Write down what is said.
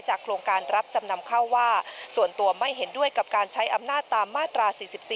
โครงการรับจำนำเข้าว่าส่วนตัวไม่เห็นด้วยกับการใช้อำนาจตามมาตรา๔๔